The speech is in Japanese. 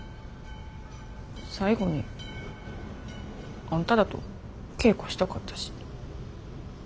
最後にあんたらと稽古したかったし。